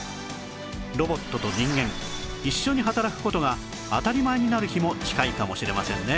ロボットと人間一緒に働く事が当たり前になる日も近いかもしれませんね